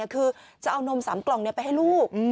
คือจะเอานม๓กล่องไปให้ลูก